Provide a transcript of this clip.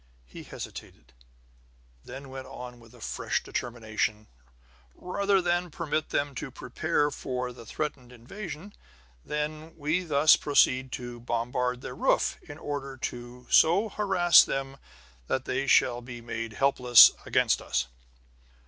He hesitated, then went on with fresh determination: "Rather than permit them to prepare for the threatened invasion, then, we thus proceed to bombard their roof, in order to so harass them that they shall be made helpless against us."